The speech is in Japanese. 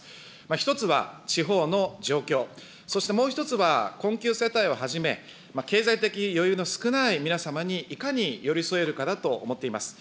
１つは、地方の状況、そしてもう一つは困窮世帯をはじめ、経済的余裕の少ない皆様に、いかに寄り添えるかだと思っております。